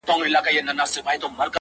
په دامونو ښکار کوي د هوښیارانو!.